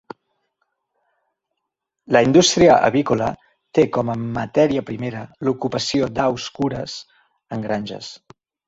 La indústria avícola té com a matèria primera l’ocupació d'aus cures en granges.